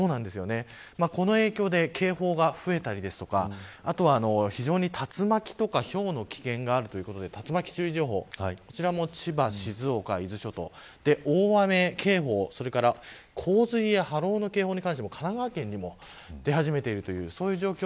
この影響で警報が増えたりですとか竜巻とかひょうの危険があるということで竜巻注意情報も千葉、静岡、伊豆諸島大雨警報、それから洪水や波浪警報に関しても神奈川県に出始めている状況。